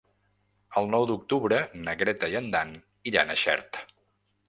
El nou d'octubre na Greta i en Dan iran a Xert.